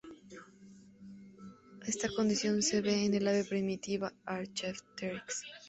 Esta condición se ve en el ave primitiva "Archaeopteryx.